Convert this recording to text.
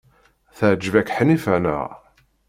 Teɛjeb-ak Ḥnifa, naɣ?